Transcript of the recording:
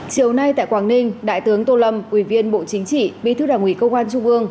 chiều nay tại quảng ninh đại tướng tô lâm ủy viên bộ chính trị bí thư đảng ủy công an trung ương